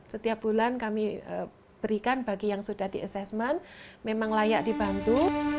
setiap bulan kami berikan bagi yang sudah di assessment memang layak dibantu